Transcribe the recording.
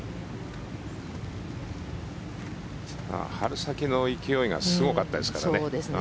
春先の勢いがすごかったですからね。